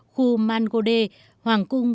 khu mangode hoàng cung